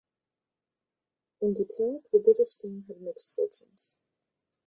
On the track, the British team had mixed fortunes.